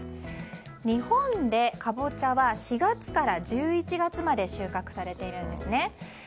日本でカボチャは４月から１１月まで収穫されているんですね。